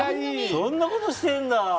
そんなことしてんだ！